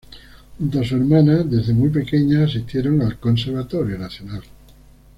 Junto a su hermana, desde muy pequeñas asistieron al Conservatorio Nacional.